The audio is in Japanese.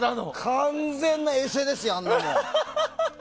完全なエセですよ、あんなの。